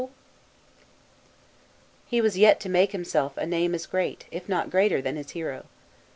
He was yet to make himself a name as great, if not greater, than his hero.